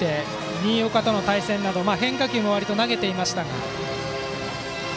新岡との対戦など変化球もわりと投げていましたが。